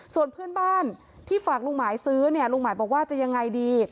ส่วนเพื่อนบ้านที่ฝากลุงหมายซื้อเนี่ยลุงหมายบอกว่าจะยังไงดี